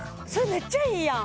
めっちゃいいやん！